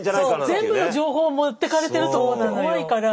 そう全部の情報持ってかれてると思うと怖いから。